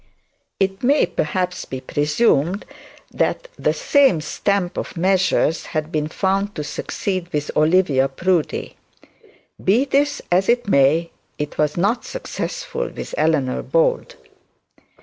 It may perhaps be presumed that the same stamp of measures had been found to succeed with Olivia Proudie. Be this as it may, it was not successful with Eleanor Bold.